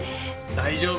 大丈夫。